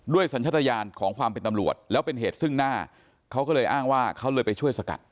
สัญชาติยานของความเป็นตำรวจแล้วเป็นเหตุซึ่งหน้าเขาก็เลยอ้างว่าเขาเลยไปช่วยสกัด